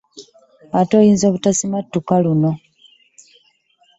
Ate oyinza obutasimattuka luno.